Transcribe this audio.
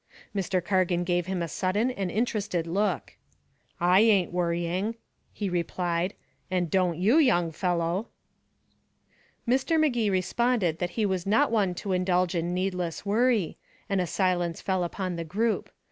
Mr. Cargan gave him a sudden and interested look. "I ain't worrying," he replied. "And don't you, young fellow." Mr. Magee responded that he was not one to indulge in needless worry, and a silence fell upon the group.